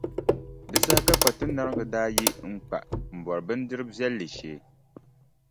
Di saha ka Kpatinariŋga daa yi n-kpa m-bɔri bindirʼ viɛlli shee.